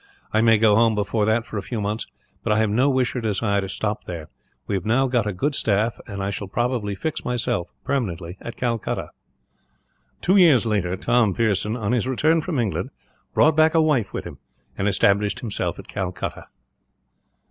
I may go home before that for a few months, but I have no wish or desire to stop there. We have now got a good staff; and I shall probably fix myself, permanently, at Calcutta.'" Two years later Tom Pearson, on his return from England, brought back a wife with him, and established himself at Calcutta.